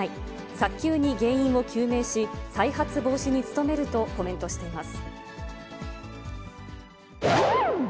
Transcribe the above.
早急に原因を究明し、再発防止に努めるとコメントしています。